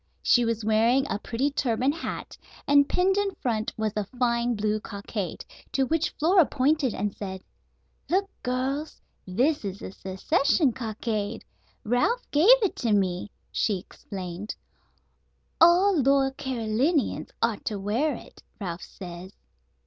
She was wearing a pretty turban hat, and pinned in front was a fine blue cockade, to which Flora pointed and said: "Look, girls. This is the Secession Cockade. Ralph gave it to me," she explained; "all loyal Carolinians ought to wear it, Ralph says."